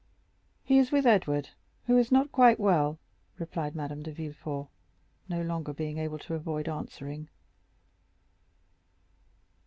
"He is with Edward, who is not quite well," replied Madame de Villefort, no longer being able to avoid answering.